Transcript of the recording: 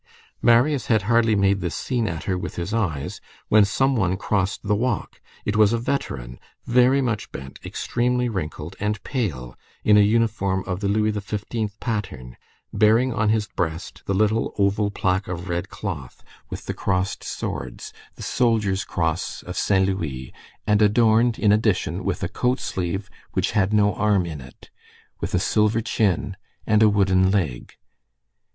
Marius had hardly made this scene at her with his eyes, when some one crossed the walk. It was a veteran, very much bent, extremely wrinkled, and pale, in a uniform of the Louis XV. pattern, bearing on his breast the little oval plaque of red cloth, with the crossed swords, the soldier's cross of Saint Louis, and adorned, in addition, with a coat sleeve, which had no arm within it, with a silver chin and a wooden leg.